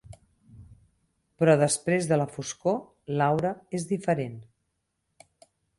Però, després de la foscor, Laura, és diferent.